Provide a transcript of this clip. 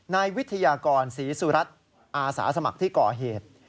นายวิทยากรศรีสุรัตน์อาสาสมัครที่ก่อเหตุ